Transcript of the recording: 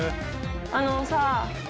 あのさ。